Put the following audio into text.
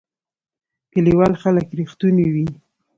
کلیوال خلک رښتونی وی